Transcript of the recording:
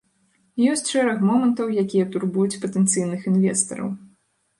Ёсць шэраг момантаў, якія турбуюць патэнцыйных інвестараў.